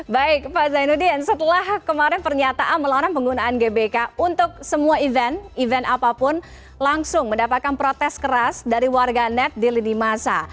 baik pak zainuddin setelah kemarin pernyataan melarang penggunaan gbk untuk semua event event apapun langsung mendapatkan protes keras dari warga net di lini masa